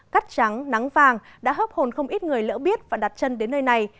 cắt trắng nắng vàng đã hấp hồn không ít người lỡ biết và đặt chân đến nơi này